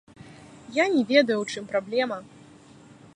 Я не ведаю ў чым праблема.